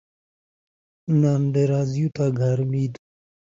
His lips fell apart, his face was disturbed with emotion.